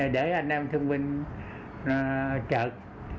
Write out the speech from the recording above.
để anh em thương minh trợt